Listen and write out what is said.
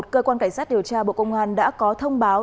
cơ quan cảnh sát điều tra bộ công an đã có thông báo